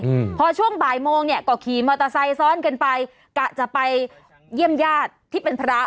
อืมพอช่วงบ่ายโมงเนี้ยก็ขี่มอเตอร์ไซค์ซ้อนกันไปกะจะไปเยี่ยมญาติที่เป็นพระ